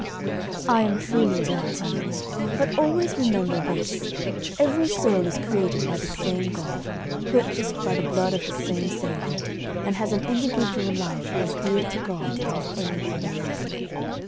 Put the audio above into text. "I am truly glad, Anna; but always remember this: Every soul is created by the same God purchased by the blood of the same Saviour, and has an individual life as dear to God as any other life.